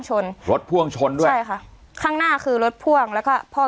ชนรถพ่วงชนด้วยใช่ค่ะข้างหน้าคือรถพ่วงแล้วก็พ่อ